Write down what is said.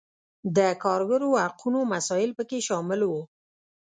د کارګرو حقونو مسایل پکې شامل وو.